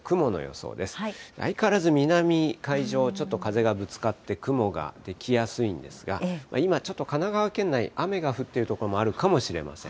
相変わらず南海上、ちょっと風がぶつかって雲が出来やすいんですが、今、ちょっと神奈川県内、雨が降っている所もあるかもしれません。